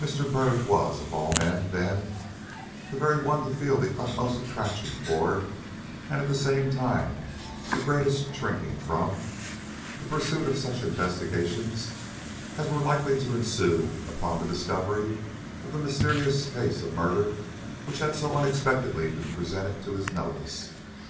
Mr. Byrd was, of all men, then, the very one to feel the utmost attraction toward, and at the same time the greatest shrinking from, the pursuit of such investigations as were likely to ensue upon the discovery of the mysterious case of murder which had so unexpectedly been presented to his notice.